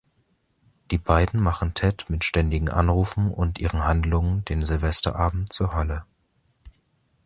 Die beiden machen Ted mit ständigen Anrufen und ihren Handlungen den Silvesterabend zur Hölle.